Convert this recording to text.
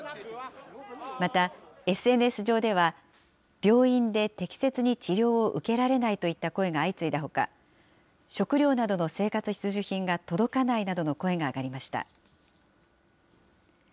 また、ＳＮＳ上では、病院で適切に治療を受けられないといった声が相次いだほか、食料などの生活必需品が届かないなどの声が上がりました。